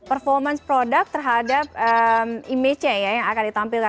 oke performance product terhadap image nya yang akan ditampilkan